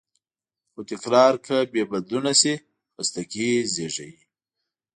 خو تکرار که بېبدلونه شي، خستګي زېږوي.